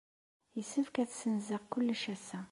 Yessefk ad ssenzeɣ kullec ass-a.